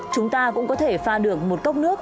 chúng ta cũng có thể pha được một cốc nước